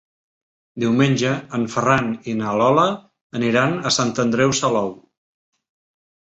Diumenge en Ferran i na Lola aniran a Sant Andreu Salou.